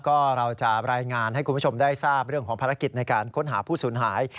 ก็เราจะรายงานให้คุณผู้ชมได้ทราบเรื่องของภารกิจในการค้นหาผู้สูญหาย